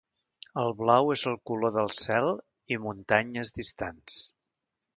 El blau és el color del cel i muntanyes distants.